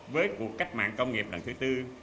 với cuộc cách mạng công nghiệp lần thứ tư